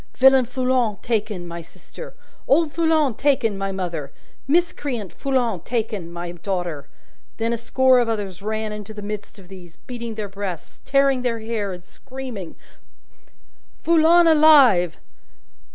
Villain Foulon taken, my sister! Old Foulon taken, my mother! Miscreant Foulon taken, my daughter! Then, a score of others ran into the midst of these, beating their breasts, tearing their hair, and screaming, Foulon alive!